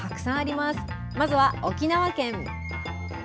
まずは、沖縄県。